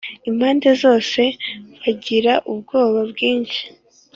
impande zose bagira ubwoba bwinshi